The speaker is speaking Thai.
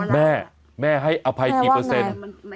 แม่แม่ให้อภัยกี่เปอร์เซ็นต์